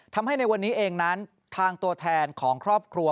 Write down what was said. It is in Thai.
ในวันนี้เองนั้นทางตัวแทนของครอบครัว